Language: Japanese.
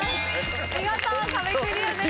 見事壁クリアです。